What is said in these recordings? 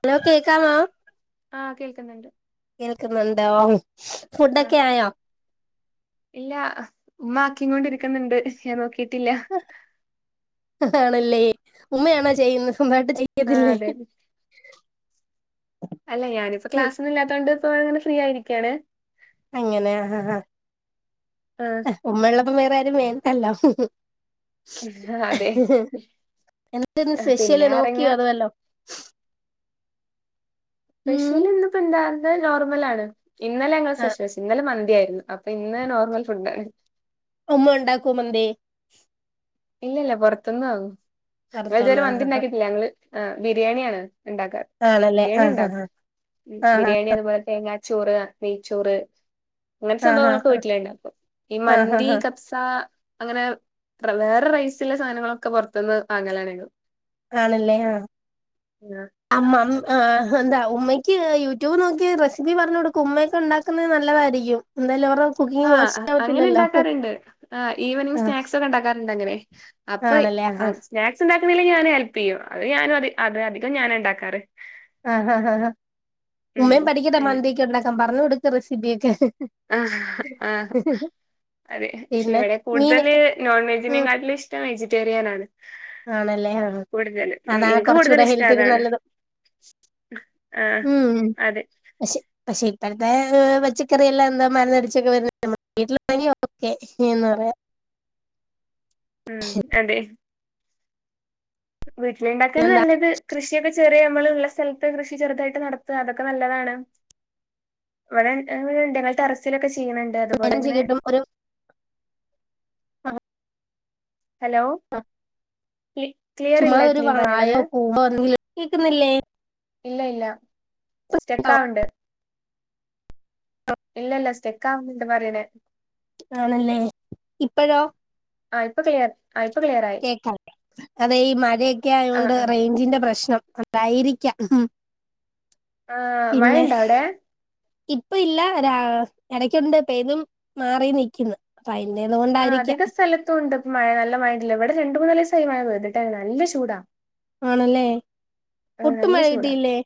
Hello കേക്കാമോ ആ കേൾക്ക്ന്ന്ണ്ട് കേൾക്കുന്നുണ്ടോ ന്ന് ആഹ് ഇല്ലാ ഉമ്മ ആക്കിം കൊണ്ടിരിക്കുന്നുണ്ട് ഞാൻ നോക്കി ഹ് ഹ്ആണല്ലേ ഉമ്മയാണോ ചെയ്യുന്ന വട്ട് ആഹ് ചെയ്യത്തില്ലേ അതെ അല്ല ഞാനിപ്പ ക്ലാസ്സൊന്നും ഇല്ലാത്തോണ്ട് ഇപ്പൊ [unintelligible] ഫ്രീ ആയിരിക്കാണ് അങ്ങനെയ ഹ ഹ ആഹ് ഹ ഉമ്മയുള്ള- അപ്പം വേറെ ആരും വേണ്ടല്ലോ ഹ്‌ ഹ്‌ അതെ എന്തെ ഇന്ന് ആ, പിന്നെ സ്പെഷ്യല് അറങ്ങ നോക്കിയോ അത്‌വല്ലോം സ്പെഷ്യല് ഇന്നിപ്പോ എന്താ ഇന്ന് നോർമലാണ് ഇന്നലെ ഞങ്ങള് സ്പെഷ്യലെച്ച് ഇന്നലെ മന്തി ആയിര്ന്ന് അമ്മ ഉണ്ടാക്കോ മന്തി ഇല്ല ഇല്ല പൊറത്തൊന്നു വാങ്ങും. പുറത്തുന്ന് ഞ്ഞങ്ങള് ആഹ് മന്തിണ്ടാക്കിയിട്ടില്ല ഞങ്ങള് ആ ബിരിയേണിയാണ് ഉണ്ടാക്കാ ആണല്ലേ ബിരിയാണി ആഹ് ഉണ്ടാക്കും ആഹ് ആഹ് ബിരിയാണി അത്പോലെ തേങ്ങാ ചോറ് നെയ് ചോറ് അങ്ങൻത്തെ ആഹ് സംഭവങ്ങളൊക്കെ ആഹ് വീട്ടിലുണ്ടാക്കും ഈ ആഹ് മന്തി ആഹ് കപ്സ അങ്ങനെ റൈസുള്ള സാനങ്ങളൊക്കെ പൊറത്തുന്ന് വാങ്ങലാണ് ആണല്ലേ ആ ആ അമ്മ അം അതെ ആ ആ എന്താ ഉമ്മയ്ക്ക് യൂട്യൂബ് നോക്കി റെസിപ്പി പറഞ്ഞു കൊടുക്കു ഉമ്മയൊക്കെ ഉണ്ടാക്കുന്നത് നല്ലതായിരിക്കും എന്തായാലും അവര് ആ അ അങ്ങനെ ഇണ്ടാക്കാറ്ണ്ട് ആ ഈവനിങ് ആ സ്നാക്സ് ഒക്കെ ഉണ്ടാക്കാറുണ്ട് അങ്ങനെ അപ്പൊ ഇ ആണല്ലേ അ ആഹാ സ്നാക്സ് ഉണ്ടാ ആരുമിലെങ്കി ഞാന് ഹെൽപ്പെയ്യും അത് ഞാനും അത് അത് അധികം ഞാനണ്ടാക്കാറ് ആ ഹാ ഹാ ഹാ ഉം ഉമ്മയും പഠിക്കട്ടെ അങ്ങനെ. മന്തിയൊക്കെ ഉണ്ടാക്കാം പറഞ്ഞു കൊടുക്ക് റെസിപ്പിയൊക്കെ ഹ് ആഹ് ആ അതെ പക്ഷെ പിന്നെ ഇവിടെ കൂടുതല് മീനൊക്കെ നോൺ ഉം വെജിനേകാട്ടിലും ഇഷ്ടം വെജിറ്റേറിയനാണ് ആണല്ലേ ആഹ് കൂടുതല് ഉം അതാ ഇൻക്ക് കുറച്ചുകൂടെ കൂടുതലിഷ്ടം ഹെൽത്തിന് അതാണ് നല്ലത് ഉം ആഹ് അതെ പഷേ ഇപ്പഴത്തെ പച്ചക്കറിയെല്ലാം എന്താ മര്ന്നടിച്ചൊക്കെ വരുന്ന നമ്മളെ വീട്ടിലാണെങ്കി [unintelligible] ഓക്കെ എന്ന് വേണം [unintelligible] ഉം. അതെ വീട്ടില്ണ്ടാക്കാണ്. എന്താ നല്ലത് കൃഷിയൊക്കെ ചെറ്യേ നമ്മളുള്ള സ്ഥലത്ത് കൃഷി ചെറുതായിട്ട് നടത്ത. അതൊക്കെ. നല്ലതാണ് ഇവടെ.. ഉണ്ട്.. [unintelligible] ടറസിലൊക്കെ ചെയ് ചെയ്യണ്‌ണ്ട് മരുന്ന് അതുപോലെങ്ങനെ കിട്ടും ഒരു ആ, ഹലോ ക്ലി. ക്ലിയർ. ഇല്ല. ചുമ്മാതെ ഒരു ക്ലീൻ. പറയിണത് വാഴയോ പൂവോ എന്തെങ്കിലും കേക്കുന്നില്ലേ ഇല്ല ഇല്ല സ്റ്റെക്കാവ്ണ്ട് ഇല്ല [unintelligible] പറയണേ ആണല്ലേ. ഇപ്പഴോ- ആഹ്. ഇപ്പൊ ക്ലിയർ ആ ഇപ്പൊ ക്ലിയർ ആയി കേക്കണ്ടേ അതെ ഈ മഴയൊക്കെ ആ ആയോണ്ട് ആ റൈഞ്ചിന്റെ പ്രശ്നം തായിരിക്കാം. ഹ് ഹ് ആ മഴയിണ്ട. അവടെ ഇപ്പ ഇല്ല. രാ. എടക്കുണ്ട് പെയ്തും. മാറിയും നിക്കുന്നു ആഹ്. അധിക സ്ഥലത്തുണ്ട് ഇപ്പോ മഴ നല്ലമഴണ്ട് ലേ. ഇവിടെ രണ്ട്. മൂന്നാലിസ് ഇപ്പൊ. മഴ. പെയ്തിട്ടേ. നല്ല. ചൂടാ ആണല്ലേ, ആ ഒട്ടും നല്ല മഴ ചൂടാ കിട്ടിയില്ലേ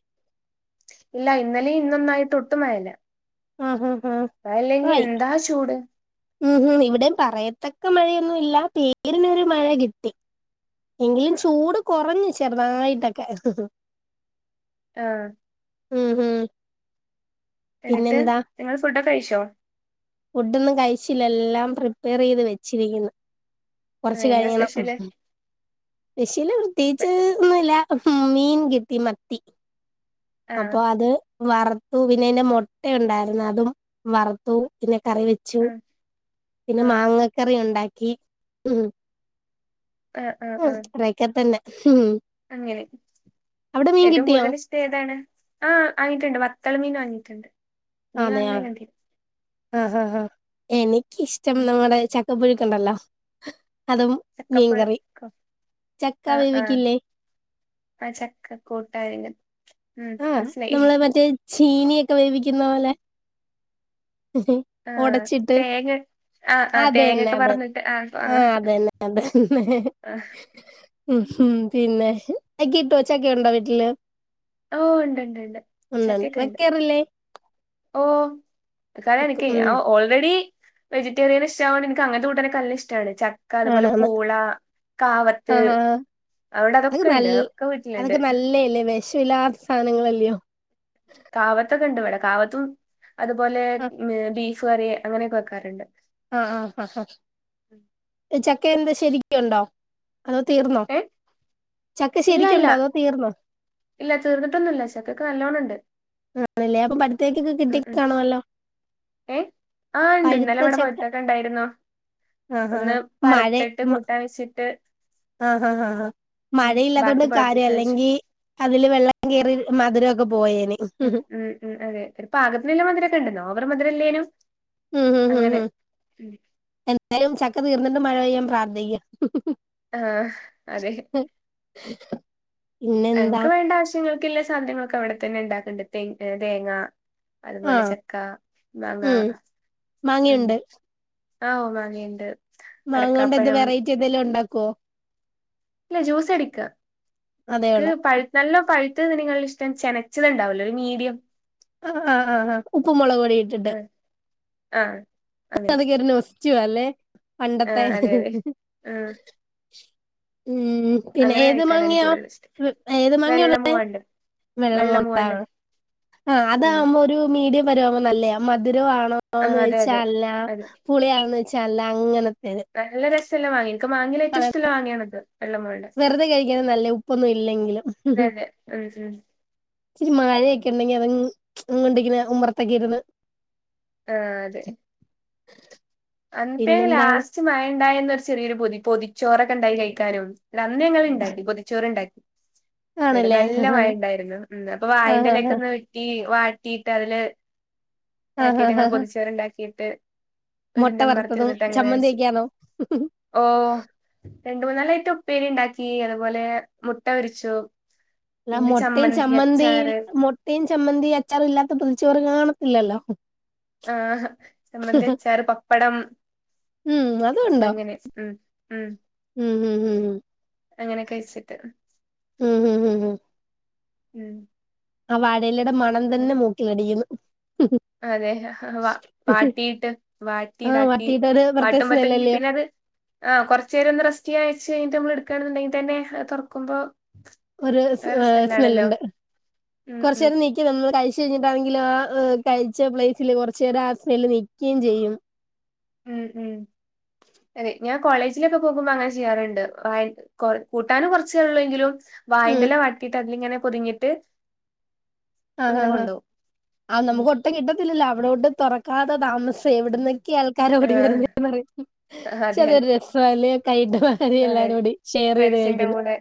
ഇല്ല, ഇന്നലിം. ഇന്നൊന്നായിട്ടൊ. ഒട്ടും. മഴയില്ല ആഹ് ആഹ് ആഹ് മഴല്ലെങ്കി. ആയി എന്താ ചൂട് ഉം, ഹം. ഇവിടെ പറയത്തക്ക മഴയൊന്നു. ഇല്ല. പേരിനൊരു. മഴ കിട്ടി എങ്കിലും. ചൂട് കൊറഞ്ഞു ചെറുതായിട്ടൊക്കെ ആ ഉം.. ഹം എന്നിട്ട്. നിങ്ങള്. ഫുഡൊക്കെഴിച്ചോ ഫുഡോന്നും. കഴിച്ചില്ല. ല്ലെല്ലാം. പ്രിപ്പയർ ചെയ്ത് വെച്ചിരിക്കുന്നു കൊറച്ച്. ആഹ് എന്താ കഴിയണം. സ്പെഷ്യല് ഹ്ഹ്. സ്പഷ്ൽ പ്രത്യയ്ച്ച്. ഒന്നുഇല്ല ഹും, മീൻ കിട്ടി മത്തി. ആഹ് അപ്പൊ. അത് വറുത്തു പിന്നെ ആയിന്റെ. മുട്ട ഉണ്ടായിരുന്നു. അതും. വറുത്തു പിന്നെ കറി. വെച്ചു. ആഹ് പിന്നെ ആഹ് മാങ്ങക്കറി ഉണ്ടാക്കി.. ഉം ആഹ് ആഹ് ആ, ആഹ് അതോക്കത്തന്നെ അങ്ങനെ. അവിടെ മീൻ ഏറ്റവും കിട്ടിയോ കൂടുതൽ ഇഷ്ടം. ഏതാണ് ആ, ആയിട്ടുണ്ട്. വ വത്തള്. മീൻ വാങ്ങിട്ടുണ്ട്. മീൻ അതെ വാങ്ങണേ കണ്ടേ ആ, ഹ്, ആ, ആ, എനിക്കിഷ്ടം ഉം ന്ന്. പറയുന. ചക്കപ്പുഴക്ക്ണ്ടല്ലോ അതും മീൻകറി. ചക്കപ്പഴക്കോ ചക്ക. വേവിക്കില്ലേ ആ, ചക്ക. കൂട്ടായിങ്ക ആഹ. നമ്മള്. മറ്റേ. ചീനിയൊക്കെ വേവിക്കുന്ന. പോലെ ഹ്‌. ഹ്‌. ആഹ് ഒടച്ചിട്ട് തേങ്ങ ആഹ് ആഹ് അതന്നെ. തേങ്ങൊക്കെ അതെ. പറന്നിട്ട് ആഹ് ആഹ് ആഹ. അതന്നെ. അതെന്നെ ആഹ് ഉ. ഉം. പിന്നെ. അകി ഇട്ടു വച്ചാ കേടുണ്ടോ. വീട്ടില്. ഓഹ് ഉണ്ട് ഉണ്ടണ്ട്. വെക്കാറില്ലേ ഓ, ഓം. കര. എനിക്ക്. വെക്കും ഉം ഓ. Already vegetarian. ഇഷ്ടവോന്ന്. എനിക്ക് അങ്ങൻത്തെ. കൂട്ടാനല്ലഇഷ്ടണ് ചക്ക. അതുപോലെ. ആണാണ് പൂള. കാവത്ത് ആഹ് ആഹ് അവിടെ അതൊക്കെ ഇണ്ട് ഒക്കെ വീട്ടില്ണ്ട് [unintelligible] സാനങ്ങളല്ലയോ കാവത്തൊക്കെ. ഉണ്ട് വിടെ കാവത്തും അതുപോലെ ആ ബീഫ് കറീ. അങ്ങനെയൊക്കെ -വെക്കാറുണ്ട് ആഹ് ആഹ് ആ ചക്ക എന്താ ശരിക്കുണ്ടോ അതോ തീർന്നോ ഏ ചക്ക ഇല്ല ഇല്ല ശരിക്കുണ്ടോ അതോ തീർന്നോ ഇല്ല തീർന്നിട്ടൊന്നും ഇ ചക്കക്ക് നല്ലോണ്ണം ഉണ്ട് ആണല്ലേ അപ്പൊ പഠത്തേക്കൊക്ക കിട്ടി കാണല്ലോ ഏയ് ആ് ഉണ്ട് ഇന്നലെ ഇവിടെ പൗത്തേക്ക ഉണ്ടായിരുന്നോ ആഹ് ഹാ് മഴെ മ കൂട്ടാൻ വെച്ചിട്ട് ആഹ ആാ ആ ആ ഉം മഴയില്ലാത കൊണ്ട് ബാക്കി കാര്യം പഴുപ്പിച്ച് വെച്ചു അല്ലെങ്കിൽ അതില് വെള്ളം കയറി മധുരമൊക്കെ പോയേനെ ഉം ഉം ഉം അതെ പാകത്തിനെല്ലാം മധുരമക്കെ ഉണ്ടെന്നോ ഓവർ മധുരമല്ലേനും ഉം ഉ ഉം ഉ എന്തായാലും ചക്ക തീർന്നിട്ട് മഴ പെയ്യാൻ പ്രാർത്ഥിക്കുക ആഹ അതെ അ എങ്ങക്ക് വേണ്ട ആവശ്യങ്ങൾക്കല്ല സാധനങ്ങളൊക്കെ അവിടെ തന്നെ ഉണ്ടാക്കണ്ട് ത തേങ്ങ ആ അതുപോലെ ചക്ക മാങ്ങ ഉം ഉം മാങ്ങയുണ്ട് ആ മാങ്ങ ഉണ്ട് മാങ്ങണ്ട് എന്ത് വെറൈറ്റി എന്തെങ്കിലും ഉണ്ടാക്കുവോ ഇല്ല ജ്യൂസ് എടിക്ക ഇക് അതേയുള്ള പാഴ് നല്ല പഴുത്ത നിങ്ങങ്ങളുടെ ഇഷ്ടം ചെനച്ചത് ഉണ്ടാവല്ലോ ഒരു മീഡിയം ആ ആ് ആ് ആ് ഉപ്പും മുളക് പൊടി ഇട്ടിട്ട് ആഹ് ആഹ് അങ്ങനെ അത് കേറി നെസ്റ്റോ അല്ലേ പണ്ടത്തെ ആഹ് അതെ അതെ ആഹ് ഉം പിന്നെ അങ്ങനെ ഏത് കഴിക്കാനാണ് എനിക്ക് മാങ്ങയാ കൂടുതൽ ഇഷ്ടം ഏത് മാങ്ങയ വെള്ള ഉള്ള മൂവാണ്ടൻ വെള്ള വെള്ളമ മൂവാണ്ടൻ ആ ഉം അതാകുമ്പോ ഒരു മീഡിയം പരുവുമ്പോ നല്ലേ മധുരണ് ന്ന് ആഹ് അതെ അതെ വെച്ചല്ല അതെ പുളിയണന്ന് വെച്ച അല്ല അങ്ങനെ നല്ല രസമല്ല വാങ്ങി എനിക്ക് മാങ്ങിയ ഏറ്റവും ഇഷ്ടല്ല വാങ്ങിയണത് വെറുതെ കഴിക്കാന നല്ലേ ഉപ്പൊന്നും ഇല്ലെങ്കിലും അതെ അതെ ഉം ഉം ഇരി മഴയക്കെ ണ്ടെങ്ക അത്ങ്ങണ്ട ഉമ്മറത്തൊക്കെ ഇന്ന് ആഹ അതെ അപ പിന്നെന്താണ് ലാസ്റ്റ് മഴ ഉണ്ടായി എന്നൊരു ചെറിയൊരു പൊതി പൊതിച്ചോറൊക്കെ ഉണ്ടായി കഴിക്കാനും ലഅന്ന് ങ്ങള്ണ്ടാക്കി പൊതിച്ചോറണ്ടാക്കി എടാ ആണല്ലേ നല്ല മഴ ആഹ് ഉണ്ടായിരുന്നു അപ്പൊ ആഹ് ആഹ് വാഴൻ്റെലേക്കെന്ന് ഒന്ന് വെട്ടി വാട്ടിയിട്ട് അതില് ആഹ് ആഹ് ആഹ് പാക്കേറ്റങ്ങൾ ആഹ് പൊതിച്ചവർണ്ടാക്കിയിട്ട് മുട്ട വീടിന്റെ വറുത്തതും മറത്തിരുന്നിട്ട് അങ്ങനൊയച്ചു ചമ്മന്തിയൊക്കെയാണോ ഓ രണ്ട മൂന്നാലയ്റ്റം ഉപ്പേരിണ്ടാക്കി അതുപോലെ മുട്ട ഒരിച്ചു അല്ല മുട്ടയും ചമ്മന്തി മുട്ടയും ചമ്മന്തി അച്ചാറും ഇല്ലാത്ത പൊതിച്ചോറ് കാണ ഇല്ലല്ല ആഹ ചമ്മന്തി അച്ചാർ പപ്പടം ഉം അത ഉണ്ടോ അങ്ങനെ ഉം ഉം ഉ ഉ അങ്ങനെയൊക്കെ വച്ചിട്ട് ഉം ഹ ഉ ഉ ഉം [inaudible] ആ വാടയിലടെ മണം അങ്ങനെ തന്നെ മോക്കിലടിക്കുന്നു അതെ വ വാട്ടിയിട്ട് ആ വാട്ടിടാക്കി വട്ടിയിട്ട് ഒരു പ്രത്യേക പാട്ടുമ്പോത്തേ സ്മെല്ലല്ലയോ പിന്ന അത് ആ കൊറച്ചുേര ഒന്ന് റെസ്റ്റ് ചെയ്യാ ച്ച്കഴിഞ്ഞട്ട നമ്മ എടുകണെന്നുണ്ടെങ്കിൽ തന്നെ അഹ് തുറക്കുമ്പോ ഒരു വേറെ സ്ഥലാണല്ലോ സ്മെല്ലുണ്ട് ഉം കുറച്ച ഉം നേരം നീക്കി നമ്മൾ കഴിച് കഴഞ്ഞിട്ടാണെങ്കില ആ കഴിച്ച പ്ലേറ്റില് കുറച്ചു നേരം ആ സ്നെല് നിക്കയും ചെയ്യും ഉം ഉം അതെ ഞാൻ കോളേജിലൊക്കെ പോകുമ്പോ അങ്ങനെ ചെയ്യാറുണ്ട് കൂട്ടാനും കുറച്ചേള്ള എങ്കിലും ഉം വായന്റെല വാട്ടീട്ട് അതിലിങ്ങനെ പൊതിഞ്ഞിട്ട് ആഹാ ഇങ്ങനെ ആഹാ കൊണ്ടോവും ആ ഉം നമുക്ക് ഒട്ടും കിട്ടത്തില്ലല്ലോ അവിടോട്ട് തുറക്കാത്ത താമസം എവിട ആൾക്കാരോടി ആഹ് വരുന്ന പറ ക്ഷെ അതെ അതൊരു രസല്ലേ കയ്യിട്ട് വാരി എല്ലാരൂ ടി ഷെയ് ഫ്രൻസിന്റെ കൂടെ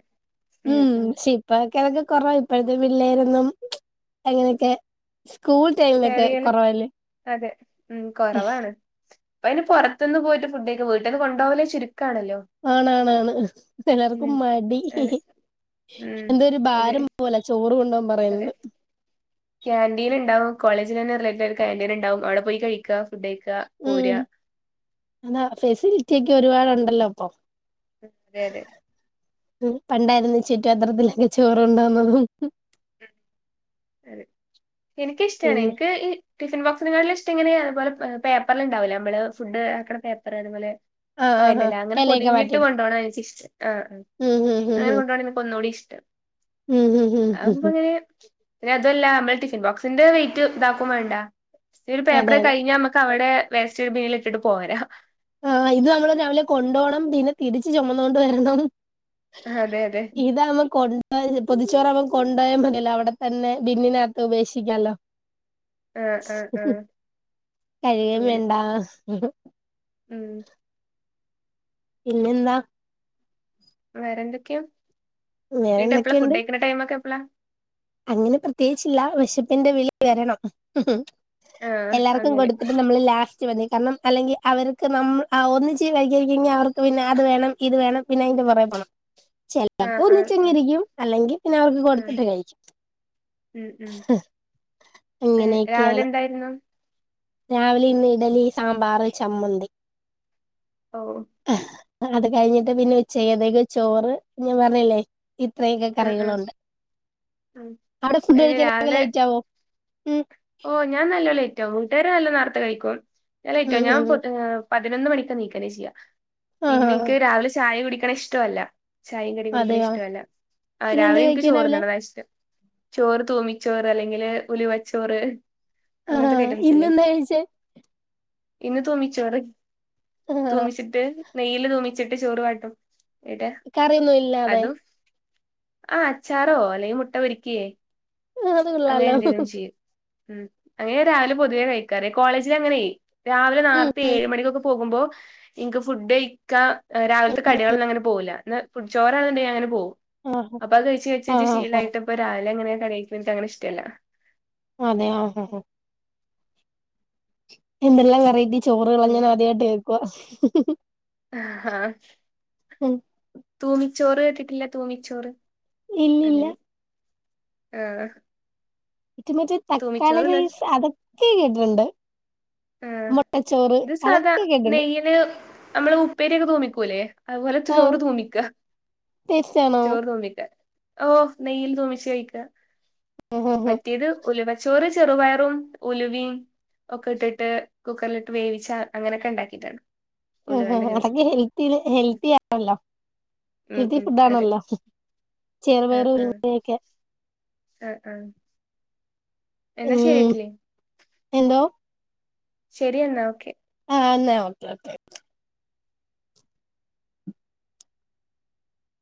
ഉം ശിപ്പോ അതിൻ്റൊക്കെ കെറവാ ഇപ്പോഴത്തെ പിള്ളേരൊന്നും മിച്ച് അങ്ങനെയൊക്കെ സ്കൂൾ ഷെയർ ടൈമിലൊക്കെ ചെയ്യല് കൊറവല്ലേ പ്പയ്ന് പുറത്തുന്ന് പോയി ഫുഡേക്ക് വീട്ടിന്ന് കൊണ്ടോകലു ചുരു ആണാണാണ് എല്ലാർക്കും ഉം മടി ഹി അതെ ഹി ഉം എന്തോരു അതെ ഭാരം പോലെ ചോറ് കൊണ്ടാകല് അതെ കാൻ്റീല് ഇണ്ടാവും കോളേജിലെന്നെ റിലേറ്റിടായ കെൻ്റിനി ണ്ടാവും അവിടെ പോയി കഴിക്ക ഉം എന്താ ഫെസിലിറ്റിയെക്കെ ഒരുപാടുണ്ടല്ലോ ഇപ്പൊ അതെ അതെ പണ്ടായിരുന്നു ചോറ്റുത്രത്തിലൊക്കെ ചോറോണ്ടോവണതും എനക്ക് ഇഷ്ടാണ് എനിക്ക് ഈ ടിഫിൻ ബോക്സിനെക്കാളഷ്ടം ഇങ്ങെ അത്പോലെ പേപ്പറ് ഉണ്ടാവില്ലേ നമ്മള് ഫുഡ് ആക്കണ പേപ്പർ അതുപോലെ ആഹ് ആഹ് ആഹ് വയൻ്റെല അങ്ങനെ ഇലയൊക്കെ പൊതിഞ്ഞിട്ട് വാട്ടിയിട്ട് കൊണ്ടോണത എനികിഷ്ടം ആ ഉം ഉം ഉം അങ്ങനെ ഉം കൊണ്ടാണതാ എനിക്ക് ഒന്നുകൂടി ഇഷ്ടം ഉം ഉം ഉം അ ഉം ആവുമ്പോ ഉം ഇങ്ങനെ പിന്നെ അതല്ല നമ്മള് ടിഫിൻബോക്സിന്റെ വെയിറ്റ് ഇതാക്കും വേണ്ട ഒരു പേപ്പർ അതെ അതെ കഴിഞ്ഞാൽ നമുക്ക് അവടെ വേസ്റ്റ് ബിന്നിലിട്ടിട്ട് പോരാ. ആഹ് ഇത് നമ്മൾ രാവിലെ കൊണ്ടോണം. പിന്നെ തിരിച്ച് ചൊമന്നൊണ്ട് വരണം. അതെ അതെ. ഇതാഉമം കൊൻ പൊതിച്ചോറാവുമ്പോ കൊണ്ടായ മതില്ലോ. അവിടെ തന്നെ ബിന്നിനാത്ത് ഉപേക്ഷിക്കലോ. അ അ അ കഴികേംവേണ്ട മം പിന്നെന്താ വേറെന്തൊക്കെയാ നീയെൻട്ട് എപ്പളാ ഫുഡ് വേറെന്തൊക്കെയുണ്ട് കയിക്കണ ടൈമൊക്കെ എപ്പള അങ്ങനെ പ്രത്യേകിച്ചില്ല. വിശപ്പിന്റെ വിളിവരണം. ആഹ് എല്ലാർക്കും. അങ്ങനെ. കൊടുത്തിട്ട് നമ്മള് ലാസ്റ്റ്. കാരണം അല്ലെങ്കിൽ അവർക്ക് നമ്മ ഒന്നച്ച് കഴിക്കനിരിക്കെങ്കിൽ അവർക്ക് പിന്നെ അത് വേണം. ഇത് വേണം. പിന്നെ ചെപ്പോക്കൊ ആഹ് ആഹ് ആഹ് ഒന്നിച്ചിരിക്കും അല്ലെങ്കിൽ പിന്നെ അവർക്ക് ആഹ് കൊടുത്തിട്ട് കഴിക്കും. ഉം ഉം ഏ രാവിലെ അങ്ങനെയൊക്കെയാണ് എന്തായിരുന്നു. രാവിലെ ഇന്ന് ഇഡലി, സാമ്പാറ്, ചമ്മന്തി, ഓ ആഹ് അത് കഴിഞ്ഞിട്ട് പിന്നെ ഉച്ചയതേക്ക് ചോറ് ഞാൻ പറഞ്ഞില്ലേ. ഇത്രയൊക്കെ ആഹ് ആഹ് കറികളുണ്ട് ഉം അവിടെ ഫുഡ് പിന്നെ കഴിക്കാനങ്ങനെ രാവിലെ ലേറ്റ് ആവോ? ഉം ഓ ഞാൻ നല്ലോലെ ലെറ്റാകും. വീട്ടുകാരെല്ലാ നേർത്തെ കഴിക്കും. ഞാൻ ഉം ലേറ്റോകും. ഉം ഞാൻ ഉം പതിനൊന്ന് മണിക്കാണിക്കണ് ചെയ്യാം. ആഹ് പിന്നെ ആഹ് ഇൻക്ക് രാവിലെ ചായ കുടിക്കണ ഇഷ്ടോല്ല. ചായീംകടിയും കുടിക്കണ അതെയോ ഇഷ്ടല്ല. ആ പിന്നെ എന്ത് രാവിലെ എനിക്ക് കഴിക്കും ചോറ് രാവിലെ തിന്നണതാഷ്ടം. ചോറ് തൂമിച്ചോറ്. അല്ലെങ്കില് ഉലുവച്ചോറ്. ആഹ് അങ്ങനത്തെക്കയറ്റംസ് ഇല്ലേ. ഇന്നെന്താ കഴിച്ചേ ഇന്ന് തൂമിച്ചോറ്. ആഹ് തൂമിച്ചിട്ട് നെയ്യില് തൂമിച്ചിട്ട് ചോറവാട്ടും. കറിയൊന്നു ഇല്ലാതെ ആഹ് അച്ചാറോ അല്ലെങ്കി മുട്ട പൊരിക്കയേ. അതുകൊള്ളാലോ. ഉം അങ്ങനെ രാവിലെ പൊതുവേ കഴിക്കാറ് കോളേജില് അങ്ങനെ രാവിലെ ഉം നാർത്തെ ഉം ഏഴ് മണിക്കൊക്കെ പോകുമ്പോ ഇൻക്ക് ഫുഡ് കഴിക്കാ രാവിലത്തെ കടികളൊന്നും അങ്ങനെ പോവൂല. എന്ന ചോറാണെണ്ടെങ്കിൽ അങ്ങനെ പോകും. ആഹ് അപ്പൊ അത് കഴിച്ച് കഴിച്ച് ആഹ് ആഹ് ശീലായിട്ട്പ്പരാവിലെങ്ങനെ [unintelligible] അങ്ങനെഷ്ടല്ല അതെ ആ ഹ ഹ എന്തെല്ലാം വെറൈറ്റി ചോറുകളാ ഞാൻ ആദ്യായിട്ട് കയിക്കുവാ ആഹ തൂമിച്ചോറ് കേട്ടിട്ടില്ലെ തൂമിച്ചോറ് ഇല്ലില്ല ആ ഇറ്റമറ്റേ തക്കാളി റൈസ് അതൊക്കെ കേട്ട്ട്ടുണ്ട് ആഹ് മൊട്ടചോ ഇത് സാധാ നെയ്യില് നമ്മള് ഉപ്പേരിയൊക്കെ തൂമിക്കൂലേ അതുപോലെച്ചിരി ചോറ് ആഹ് തൂമിക്കാ ടേസ്റ്റ് ആണോ ചോറ് തൂമിക്കാ ഓ നെയ്യിൽ തൂമിച്ച് കഴിക്കാ ആഹ് ആഹ് മറ്റേത് ഉലുവച്ചോറ് ചെറുപയറും ഉലിവിം ഒക്കെട്ട് ട്ട് കുക്കറിലിട്ട് വേവിച്ച അങ്ങനെക്കെ ണ്ടാക്കീട്ടാണ് ഒ ഹോ ഹോം തന്നേ ഹെൽത്തീല് ഹെൽത്തി ആണല്ലോ ഉം ഹെൽത്തി ഉം അതെ ഫുഡാണല്ലോ ചെറുപയറ് മുരുങ്ങൊക്കെ അ ആ എന്നാ ഉം ശരീട്ടിലേ എന്തോ ശരിയെന്നാ ഓക്കെ ആന്ന ഓക്കെ ഓക്കെ